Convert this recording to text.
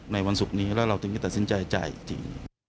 วันศุกร์นี้แล้วเราถึงจะตัดสินใจจ่ายอีกที